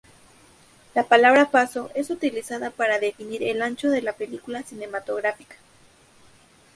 La palabra "paso" es utilizada para definir el ancho de la película cinematográfica.